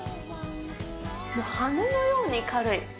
もう羽のように軽い。